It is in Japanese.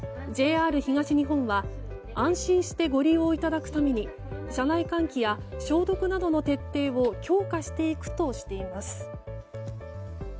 ＪＲ東日本は安心してご利用いただくために車内換気や消毒などの徹底を強化していくとしています。